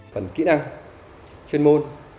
phần kỹ năng chuyên môn